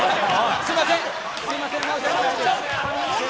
すみません。